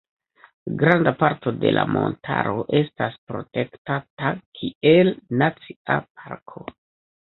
Granda parto de la montaro estas protektata kiel Nacia Parko.